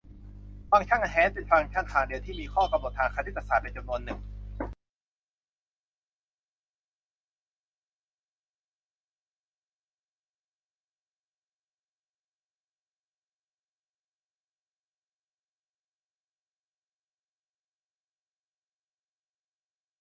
ทุนให้เงินไม่น้อยนะ แต่จ่ายช้ามาก แล้วก็ต้องใช้เอกสารเยอะมาก